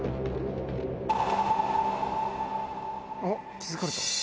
気付かれた？